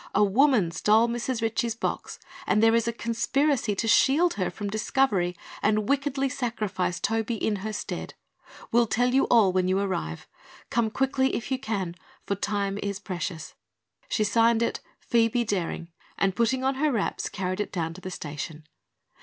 A woman stole Mrs. Ritchie's box and there is a conspiracy to shield her from discovery and wickedly sacrifice Toby in her stead. Will tell you all when you arrive. Come quickly, if you can, for time is precious." She signed this "Phoebe Daring" and putting on her wraps, carried it down to the station.